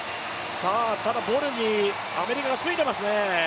ただ、アメリカがついていますね。